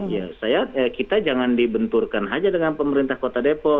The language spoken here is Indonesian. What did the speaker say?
ya saya kita jangan dibenturkan saja dengan pemerintah kota depok